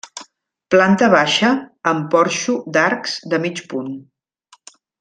Planta baixa amb porxo d'arcs de mig punt.